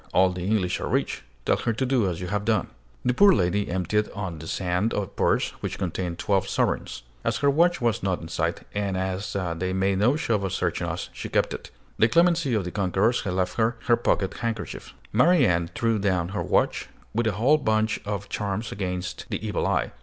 All the English are rich. Tell her to do as you have done." The poor lady emptied on the sand a purse, which contained twelve sovereigns. As her watch was not in sight, and as they made no show of searching us, she kept it. The clemency of the conquerors left her her pocket handkerchief. Mary Ann threw down her watch, with a whole bunch of charms against the evil eye.